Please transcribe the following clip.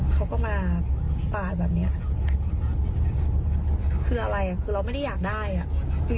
เขาก็มาปาดแบบเนี่ยคืออะไรเราไม่ได้อยากได้